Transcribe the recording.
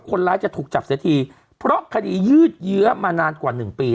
คนร้ายจะถูกจับเสียทีเพราะคดียืดเยื้อมานานกว่าหนึ่งปี